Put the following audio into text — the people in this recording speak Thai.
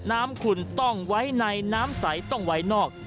น้ำคุณต้องไว้ในน้ำใสต้องไว้นอก